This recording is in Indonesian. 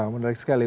wah menarik sekali